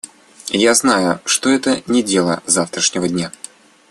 Я знаю, что это не дело завтрашнего дня.